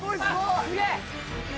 すげえ！